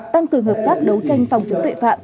tăng cường hợp tác đấu tranh phòng chống tội phạm